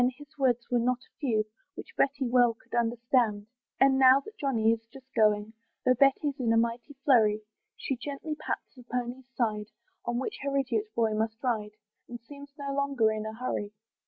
his words were not a few, Which Betty well could understand. And now that Johnny is just going, Though Betty's in a mighty flurry, She gently pats the pony's side, On which her idiot boy must ride, And seems no longer in a hurry.